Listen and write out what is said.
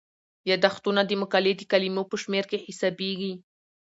یادښتونه د مقالې د کلمو په شمیر کې حسابيږي.